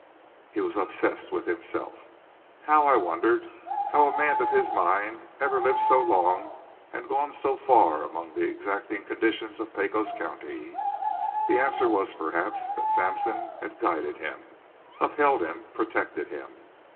He was obsessed with himself. How, I wondered, had a man of his mind ever lived so long and gone so far among the exacting conditions of Pecos County? The answer was perhaps, that Sampson had guided him, upheld him, protected him.